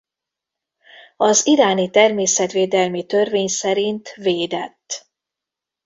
Az iráni természetvédelmi törvény szerint védett.